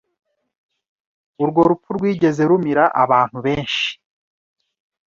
Urwo rupfu rwigeze rumira abantu benshi